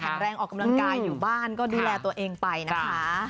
แรงออกกำลังกายอยู่บ้านก็ดูแลตัวเองไปนะคะ